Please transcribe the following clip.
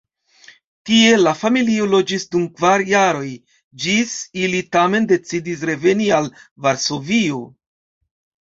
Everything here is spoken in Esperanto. Tie la familio loĝis dum kvar jaroj, ĝis ili tamen decidis reveni al Varsovio.